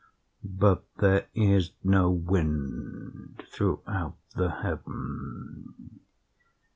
But there is no wind throughout the heaven.